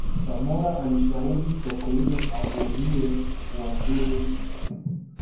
samora alishauri sokoine avuliwe uwaziri mkuu